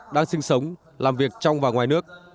đang sinh sống làm việc trong và ngoài nước